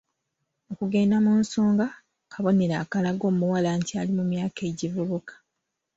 Okugenda mu nsonga kabonero akalaga omuwala nti ali mu myaka egivubuka.